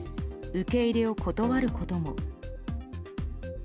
受け入れを断ることも。